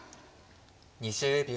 ２０秒。